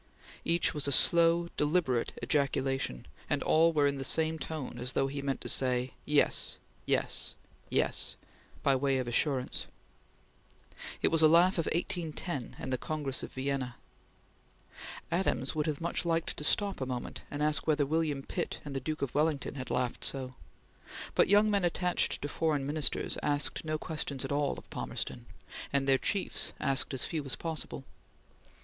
Each was a slow, deliberate ejaculation, and all were in the same tone, as though he meant to say: "Yes! ... Yes! ... Yes!" by way of assurance. It was a laugh of 1810 and the Congress of Vienna. Adams would have much liked to stop a moment and ask whether William Pitt and the Duke of Wellington had laughed so; but young men attached to foreign Ministers asked no questions at all of Palmerston and their chiefs asked as few as possible.